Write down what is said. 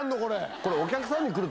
これ。